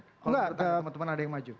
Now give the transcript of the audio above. kalau menurut teman teman ada yang maju